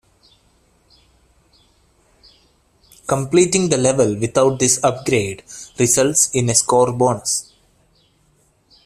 Completing the level without this upgrade results in a score bonus.